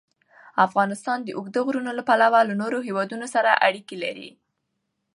افغانستان د اوږده غرونه له پلوه له نورو هېوادونو سره اړیکې لري.